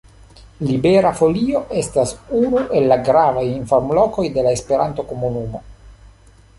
Libera Folio estas unu el la gravaj informlokoj de la esperanto-komunumo.